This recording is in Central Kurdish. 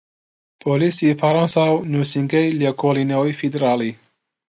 پۆلیسی فەرەنسا و نوسینگەی لێکۆڵینەوەی فیدراڵی